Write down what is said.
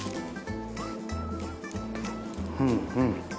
うんうん。